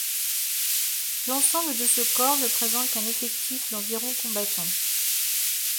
L'ensemble de ce corps ne présente qu'un effectif d'environ combattants.